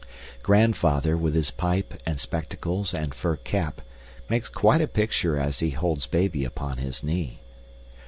Grandfather, with his pipe and spectacles and fur cap, makes quite a picture as he holds baby upon his knee.